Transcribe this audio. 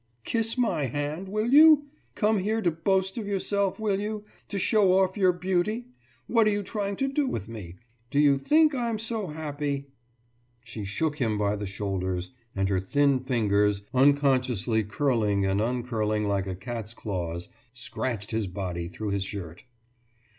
Kiss my hand, will you? Come here to boast of yourself, will you? To show off your beauty! What are you trying to do with me? Do you think I'm so happy?« She shook him by the shoulders, and her thin fingers, unconsciously curling and uncurling like a cat's claws, scratched his body through his shirt.